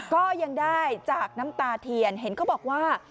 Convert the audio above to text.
ก็ยังได้จากน้ำตาเทียนเห็นเขาบอกว่า